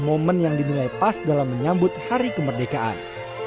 momen yang dinilai pas dalam menyambut hari kemerdekaan